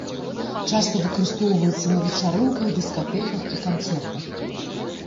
Часта выкарыстоўваецца на вечарынках, дыскатэках і канцэртах.